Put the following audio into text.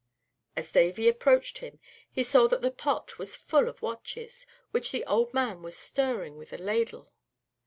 As Davy approached him he saw that the pot was full of watches, which the old man was stirring with a ladle.